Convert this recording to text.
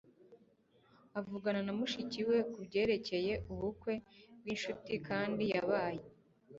avugana na mushiki we kubyerekeye ubukwe bwinshuti kandi yabaye